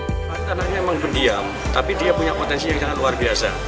korban tanahnya memang pendiam tapi dia punya potensi yang sangat luar biasa